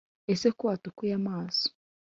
Ese ko watukuye amaso